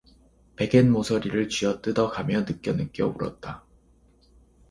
베갯모서리를 쥐어뜯어 가며 느껴느껴 울었다.